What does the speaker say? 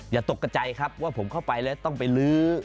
อย่าตกกระใจครับว่าผมเข้าไปแล้วต้องไปลื้อ